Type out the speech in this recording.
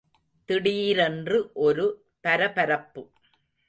திடீரென்று ஒரு பரபரப்பு.